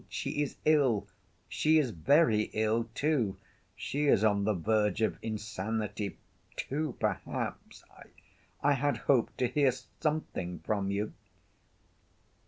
She is ill; she is very ill, too. She is on the verge of insanity, too, perhaps.... I had hoped to hear something from you